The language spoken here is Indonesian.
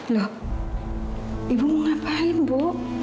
loh ibu mau ngapain bu